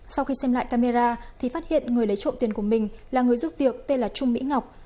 sau khi xem lại camera thì phát hiện người lấy trộm tiền của mình là người giúp việc tên là trung mỹ ngọc